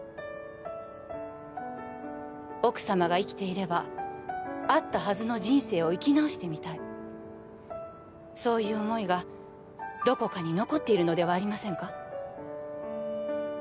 奥様が生きていればあったはずの人生を生き直してみたいそういう思いがどこかに残っているのではありませんか？